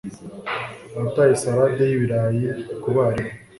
uwataye salade y'ibirayi kubarimu